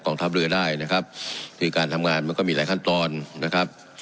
ทัพเรือได้นะครับคือการทำงานมันก็มีหลายขั้นตอนนะครับ